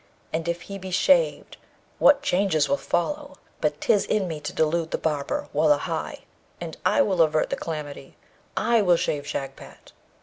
And if he be shaved, what changes will follow! But 'tis in me to delude the barber, wullahy! and I will avert the calamity. I will save Shagpat!'